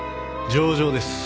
上々です。